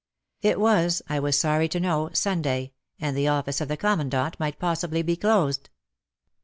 It was, I was sorry to know, Sunday, and the office of the Commandant might possibly be closed.